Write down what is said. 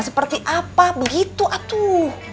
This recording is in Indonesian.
seperti apa begitu atuh